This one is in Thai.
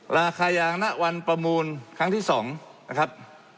ราคายางณวันประมูลครั้งที่๒นะครับ